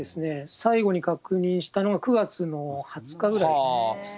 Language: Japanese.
最後に確認したのは、９月の２０日ぐらいですね。